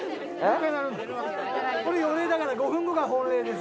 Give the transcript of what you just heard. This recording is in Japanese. これ予鈴だから５分後が本鈴です。